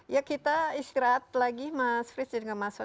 ya kita istirahat lagi mas frits dan mas son